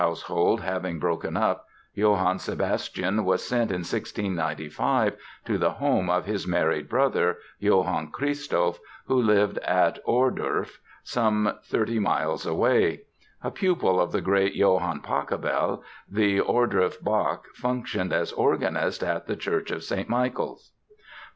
] The Eisenach household having broken up, Johann Sebastian was sent in 1695 to the home of his married brother, Johann Christoph, who lived at Ohrdruf, some thirty miles away. A pupil of the great Johann Pachelbel, the Ohrdruf Bach functioned as organist at the Church of St. Michael's.